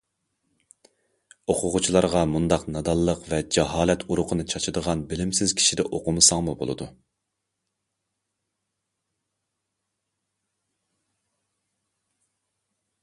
ئوقۇغۇچىلارغا مۇنداق نادانلىق ۋە جاھالەت ئۇرۇقىنى چاچىدىغان بىلىمسىز كىشىدە ئوقۇمىساڭمۇ بولىدۇ.